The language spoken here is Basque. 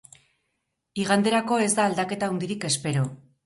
Iganderako ez da aldaketa handirik espero.